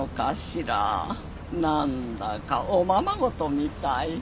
何だかおままごとみたい。